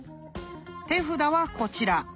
手札はこちら。